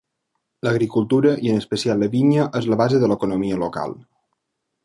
L'agricultura, i en especial la vinya, és la base de l'economia local.